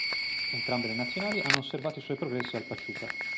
Entrambe le Nazionali hanno osservato i suoi progressi al Pachuca.